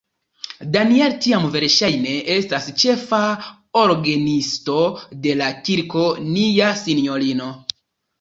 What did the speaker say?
Daniel tiam verŝajne estis ĉefa orgenisto de la Kirko Nia Sinjorino.